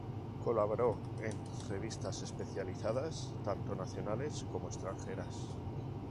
Colaboró en revistas especializadas tanto nacionales como extranjeras.